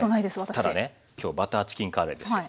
ただね今日バターチキンカレーですよ。